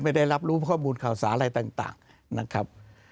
ไม่ได้รับรู้ข้อมูลข่าวสารอะไรต่างนะครับ